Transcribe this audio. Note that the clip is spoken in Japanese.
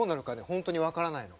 本当に分からないの。